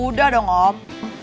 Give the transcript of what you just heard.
udah dong om